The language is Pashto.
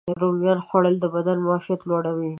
رومیانو خوړل د بدن معافیت لوړوي.